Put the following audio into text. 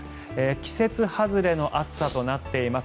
季節外れの暑さとなっています。